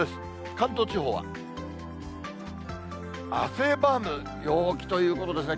関東地方は汗ばむ陽気ということですね。